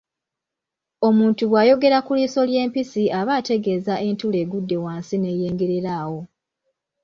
Omuntu bw’ayogera ku liiso ly’empisi aba ategeeza entula egudde wansi neyengerera awo.